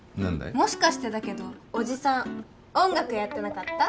もしかしてだけどおじさん音楽やってなかった？